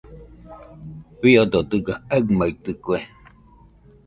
Fiodo dɨga aɨmaitɨkue.